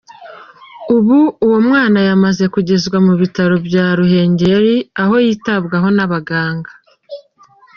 Ubu uwo mwana yamaze kugezwa mu bitaro bya Ruhengeri aho yitabwaho n’abaganga.